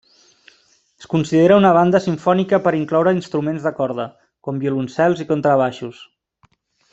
Es considera una banda simfònica per incloure instruments de corda; com violoncels i contrabaixos.